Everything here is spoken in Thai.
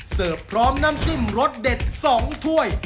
พร้อมน้ำจิ้มรสเด็ด๒ถ้วย